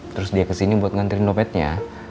terus dia kesini buat ngantri dompetnya